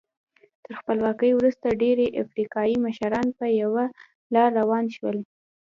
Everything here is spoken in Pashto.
تر خپلواکۍ وروسته ډېری افریقایي مشران په یوه لار روان شول.